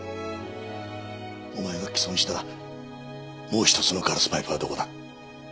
お前が棄損したもう一つのガラスパイプはどこだ？